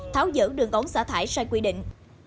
tháo dỡ đường ống xả thải sai quy định